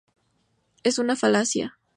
Es una falacia.